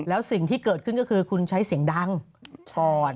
แล้วสิ่งที่เกิดขึ้นก็คือคุณใช้เสียงดังก่อน